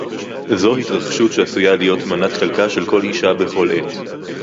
זוֹ הִתְרַחֲשׁוּת שֶׁעֲשׂוּיָה לִהְיוֹת מְנַת חֶלְקָה שֶׁל כָּל אִשָּׁה בְּכָל עֵת